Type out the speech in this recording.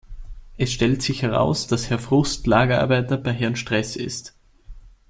Es stellt sich heraus, dass Herr Frust Lagerarbeiter bei Herrn Stress ist.